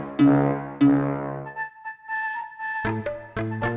tidak ntar tidak mungkin